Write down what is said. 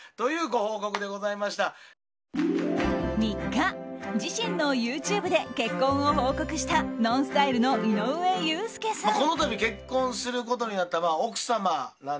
３日、自身のＹｏｕＴｕｂｅで結婚を報告したＮＯＮＳＴＹＬＥの井上裕介さん。